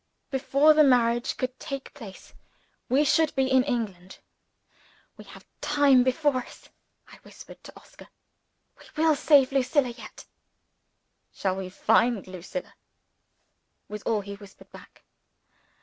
Before the marriage could take place, we should be in England. "We have time before us," I whispered to Oscar. "We will save Lucilla yet." "Shall we find Lucilla?" was all he whispered back.